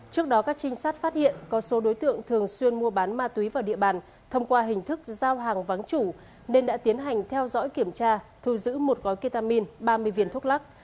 trước đó các trinh sát phát hiện có số đối tượng thường xuyên mua bán ma túy vào địa bàn thông qua hình thức giao hàng vắng chủ nên đã tiến hành theo dõi kiểm tra thu giữ một gói ketamin ba mươi viên thuốc lắc